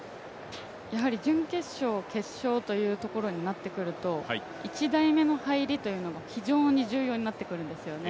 準決勝、決勝というところになってくると、１台目の入りというのが非常に重要になってくるんですよね。